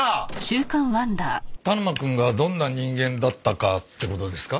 田沼くんがどんな人間だったかって事ですか？